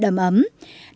đây chính là niềm vui